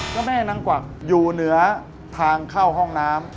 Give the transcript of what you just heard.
พระแม่นางกวักอยู่เหนือทางเข้าห้องน้ำ